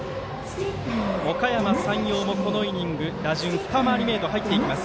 おかやま山陽も、このイニング打順２回り目へと入っていきます。